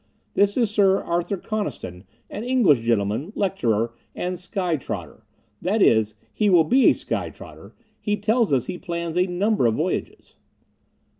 "This is Sir Arthur Coniston, an English gentleman, lecturer and sky trotter that is, he will be a sky trotter; he tells us he plans a number of voyages."